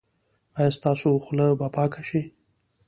ایا ستاسو خوله به پاکه شي؟